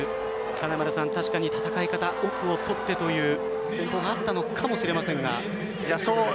金丸さん、確かに戦い方奥をとってという戦法があったのかもしれませんが。